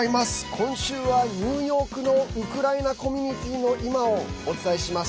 今週は、ニューヨークのウクライナコミュニティーの今をお伝えします。